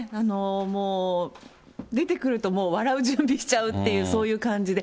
もう、出てくるともう、笑う準備しちゃうっていう、そういう感じで。